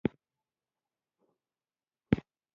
له تعقله پاتې دي